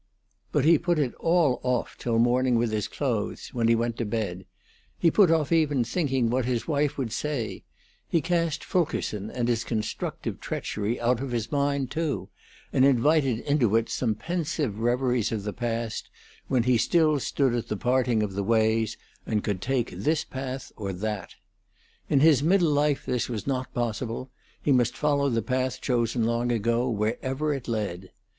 But he put it all off till morning with his clothes, when he went to bed, he put off even thinking what his wife would say; he cast Fulkerson and his constructive treachery out of his mind, too, and invited into it some pensive reveries of the past, when he still stood at the parting of the ways, and could take this path or that. In his middle life this was not possible; he must follow the path chosen long ago, wherever, it led.